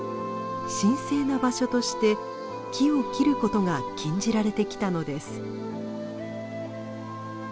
神聖な場所として木を切ることが禁じられてきたのです。